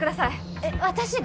えっ私が？